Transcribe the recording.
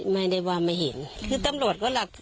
ไม่ได้ว่าไม่เห็นคือตำรวจก็หลัก